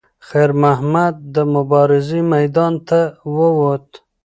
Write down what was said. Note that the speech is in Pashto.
خیر محمد د مبارزې میدان ته وووت.